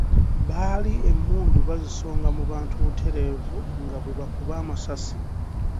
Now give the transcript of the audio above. Baali emmundu baazisonga mu bantu butereevu nga bwe bakuba amasasi.